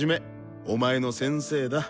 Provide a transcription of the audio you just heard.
お前の先生だ。